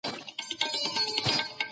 ولي د خامو موادو واردات د تولید لګښت بدلوي؟